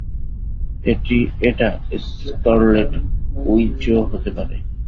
এটা স্কারলেট উইচও হতে পারে।